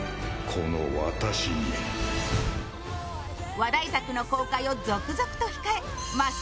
話題作の公開を続々と控えます